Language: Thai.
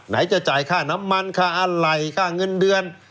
ไหนจะจ่ายค่าน้ำมันค่าอะไรค่าเงินเดือน